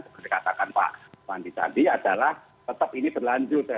seperti dikatakan pak pandit andi adalah tetap ini berlanjut